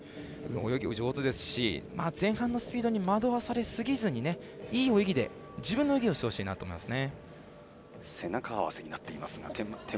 泳ぎも上手ですし前半のスピードに惑わされすぎずに、いい泳ぎで自分の泳ぎをしてほしいと思います。